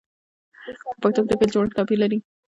په پښتو کې د فعل جوړښت توپیر لري.